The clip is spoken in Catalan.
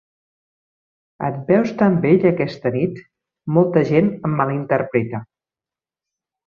Et veus tan bella aquesta nit... Molta gent em malinterpreta